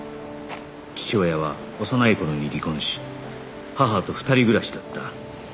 父親は幼い頃に離婚し母と２人暮らしだった